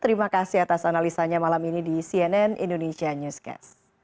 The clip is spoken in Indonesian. terima kasih atas analisanya malam ini di cnn indonesia newscast